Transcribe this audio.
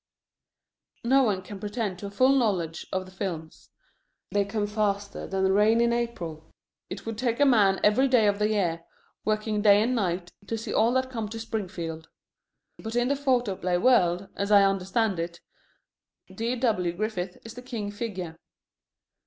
No one can pretend to a full knowledge of the films. They come faster than rain in April. It would take a man every day of the year, working day and night, to see all that come to Springfield. But in the photoplay world, as I understand it, D.W. Griffith is the king figure.